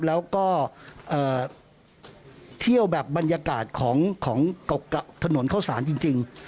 แล้วก็เที่ยวแบบบรรยากาศของถนนเข้าสารจริง